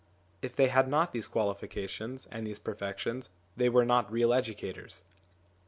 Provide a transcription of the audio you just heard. If they had not these quali fications and these perfections, they were not real educators.